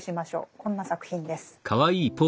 こんな作品です。